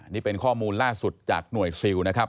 นี่เป็นข้อมูลล่าสุดจากหน่วยซิลนะครับ